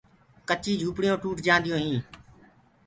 ڪچيٚ جھوُپڙيونٚ ٽوت جآنديو هينٚ۔